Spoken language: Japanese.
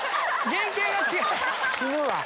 すごいよ。